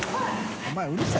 お前うるさい。